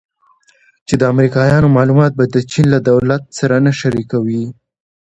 چې د امریکایانو معلومات به د چین له دولت سره نه شریکوي